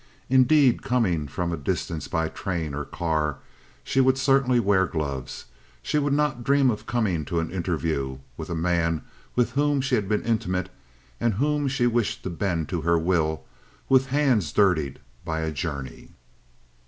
Indeed, coming from a distance by train, or car, she would certainly wear gloves. She would not dream of coming to an interview, with a man with whom she had been intimate and whom she wished to bend to her will, with hands dirtied by a journey.